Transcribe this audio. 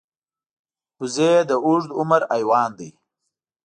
وزې د اوږد عمر حیوان دی